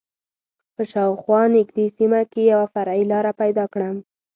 په شا او خوا نږدې سیمه کې یوه فرعي لاره پیدا کړم.